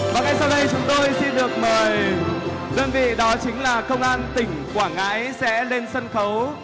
và ngay sau đây chúng tôi khi được mời đơn vị đó chính là công an tỉnh quảng ngãi sẽ lên sân khấu